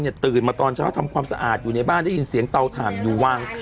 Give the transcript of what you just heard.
ตื่นมาตอนเช้าทำความสะอาดอยู่ในบ้านได้ยินเสียงเตาถ่านอยู่วาง